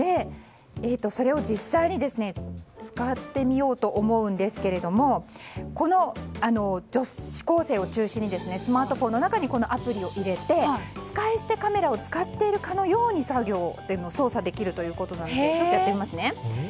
それを実際に使ってみようと思うんですが女子高生を中心にスマートフォンの中にアプリを入れて使い捨てカメラを使っているかのように操作できるということなのでちょっとやってみますね。